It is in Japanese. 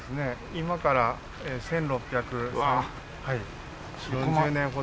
今から１６４０年ほど前。